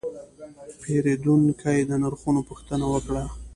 پیرودونکی د نرخونو پوښتنه وکړه.